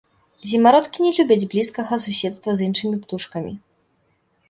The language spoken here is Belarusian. Зімародкі не любяць блізкага суседства з іншымі птушкамі.